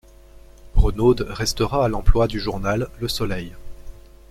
Renaude restera à l'emploi du journal Le Soleil.